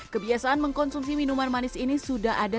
kebiasaan mengkonsumsi minuman manis ini sudah ada